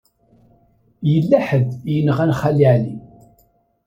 Yella ḥedd i yenɣan Xali Ɛli.